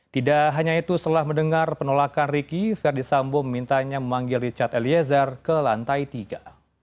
tidak hanya itu setelah mendengar penolakan ricky verdi sambo memintanya memanggil richard eliezer ke lantai tiga